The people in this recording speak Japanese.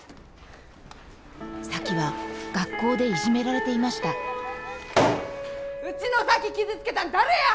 咲妃は学校でいじめられていましたうちの咲妃傷つけたん誰や！